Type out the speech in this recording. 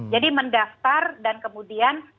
jadi mendaftar dan kemudian